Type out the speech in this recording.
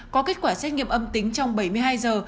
có kết quả xét nghiệm âm tính trong bảy mươi hai giờ